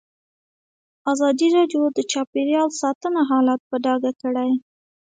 ازادي راډیو د چاپیریال ساتنه حالت په ډاګه کړی.